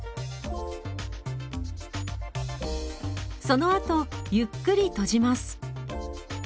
そのあとゆっくり閉じます。